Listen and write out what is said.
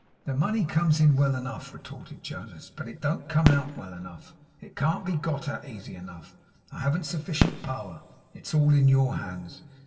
'The money comes in well enough,' retorted Jonas, 'but it don't come out well enough. It can't be got at easily enough. I haven't sufficient power; it is all in your hands.